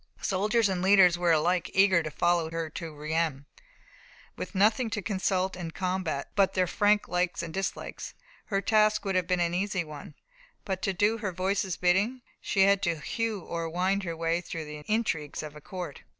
Soldiers and leaders were alike eager to follow her to Reims. With nothing to consult and combat but their frank likes and dislikes, her task would have been an easy one; but to do her voices' bidding, she had to hew or wind her way through the intrigues of a court.